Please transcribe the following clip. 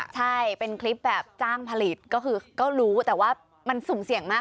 ใช่เป็นคลิปแบบจ้างผลิตก็คือก็รู้แต่ว่ามันสุ่มเสี่ยงมาก